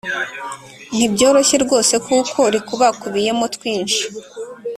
ntibyoroshye r wose, kuko rikubakubiye mo twinshi